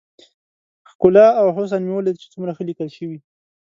ښکلا او حسن مې وليد چې څومره ښه ليکل شوي.